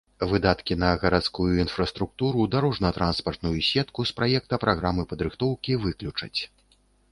Выдаткі на гарадскую інфраструктуру, дарожна-транспартную сетку з праекта праграмы падрыхтоўкі выключаць.